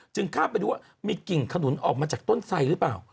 ข้ามไปดูว่ามีกิ่งขนุนออกมาจากต้นไสหรือเปล่า